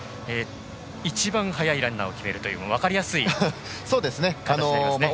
一番速いランナーを決めるという分かりやすいですね。